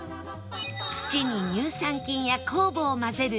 土に乳酸菌や酵母を混ぜる